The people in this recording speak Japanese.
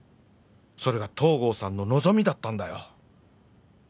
それが東郷さんの望みだったんだよ